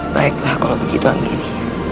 baiklah kalau begitu anggini